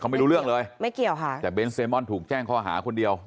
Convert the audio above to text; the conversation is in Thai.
ไม่รู้เรื่องเลยไม่เกี่ยวค่ะแต่เน้นเซมอนถูกแจ้งข้อหาคนเดียว